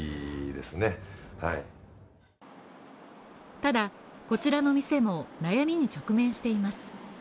ただ、こちらの店も悩みに直面しています。